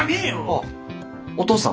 あお父さん。